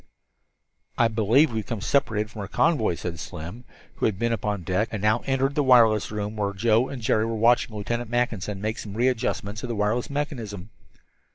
"I believe we've become separated from our convoy," said Slim, who had been upon deck, and now entered the wireless room where Joe and Jerry were watching Lieutenant Mackinson make some readjustments of the wireless mechanism.